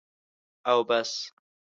او بس.